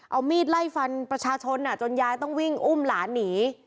เอามีดไล่ฟันประชาชนจนยายต้องวิ่งอุ้มหลานหนี